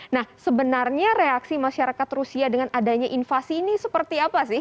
nah sebenarnya reaksi masyarakat rusia dengan adanya invasi ini seperti apa sih